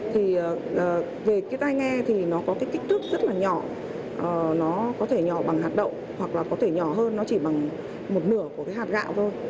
thì về cái tai nghe thì nó có cái kích thước rất là nhỏ nó có thể nhỏ bằng hạt đậu hoặc là có thể nhỏ hơn nó chỉ bằng một nửa của cái hạt gạo thôi